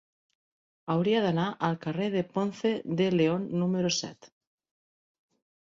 Hauria d'anar al carrer de Ponce de León número set.